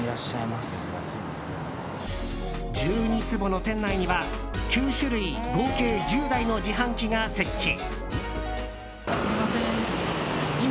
１２坪の店内には９種類合計１０台の自販機が設置。